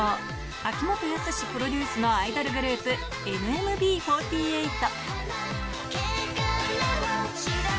秋元康プロデュースのアイドルグループ、ＮＭＢ４８。